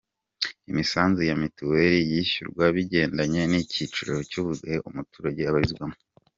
Imisanzu ya mituweli yishyurwa bigendanye n’icyiciro cy’Ubudehe umuturage abarizwamo.